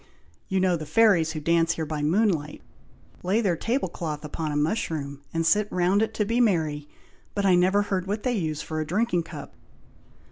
You know the fairies who dance here by moonlight, lay their table cloth upon a mushroom, and sit round it, to be merry, but I never heard what they use for a drinking cup."